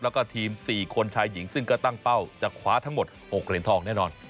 แล้วก็ทีม๔คนชายหญิงซึ่งก็ตั้งเป้าจะคว้าทั้งหมด๖เหรียญทองแน่นอน